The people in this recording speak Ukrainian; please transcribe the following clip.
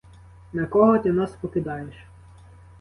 На кого ти нас покидаєш?